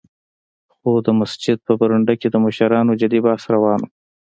خو د مسجد په برنډه کې د مشرانو جدي بحث روان و.